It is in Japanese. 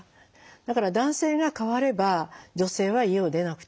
だから男性が変われば女性は家を出なくて済む。